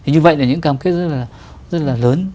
như vậy là những cam kết rất là lớn